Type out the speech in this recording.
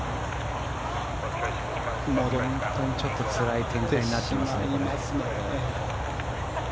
ちょっとつらい展開になってますね。